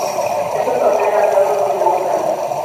Es un papel hablado donde no canta.